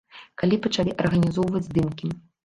Калі пачалі арганізоўваць здымкі.